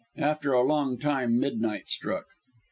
After a long time midnight struck.